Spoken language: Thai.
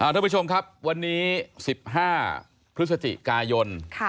ทุกผู้ชมครับวันนี้๑๕พฤศจิกายน